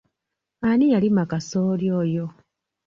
Ani yalima kasooli oyo?